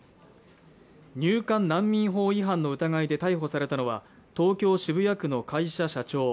入管難民法違反の疑いで逮捕されたのは東京渋谷区の会社社長